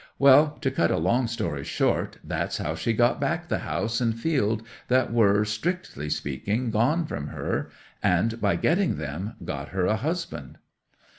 Well, to cut a long story short, that's how she got back the house and field that were, strictly speaking, gone from her; and by getting them, got her a husband.